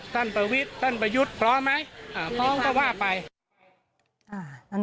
สั้นประวิทยุทธิ์สั้นประยุทธิ์พร้อมไหม